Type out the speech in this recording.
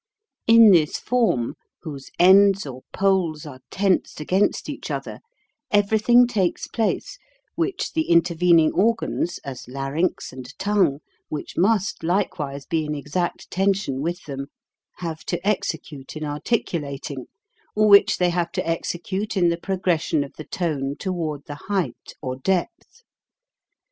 In this form, whose ends or poles are tensed against each other, everything takes place which the intervening organs, as larynx and tongue which must likewise be in exact tension with them have to execute in articulating, or which they have to execute in the progression of the tone toward the height or depth.